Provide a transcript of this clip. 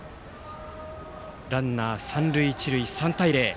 ランナー三塁一塁、３対０。